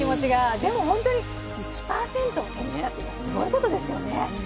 でも本当に、１％を手にしたってすごいことですよね。